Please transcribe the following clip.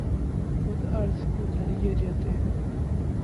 خود غرض خود لئے جیتے ہیں۔